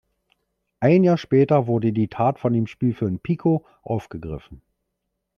Ein Jahr später wurde die Tat von dem Spielfilm "Picco" aufgegriffen.